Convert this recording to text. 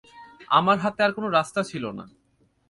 আমার হাতে আর কোনো রাস্তা ছিল না।